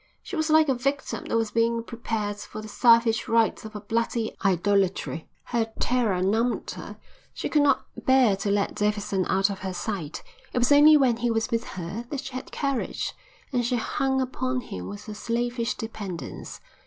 She was like a victim that was being prepared for the savage rites of a bloody idolatry. Her terror numbed her. She could not bear to let Davidson out of her sight; it was only when he was with her that she had courage, and she hung upon him with a slavish dependence.